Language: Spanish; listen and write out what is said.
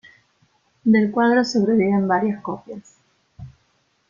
Del cuadro sobreviven varias copias.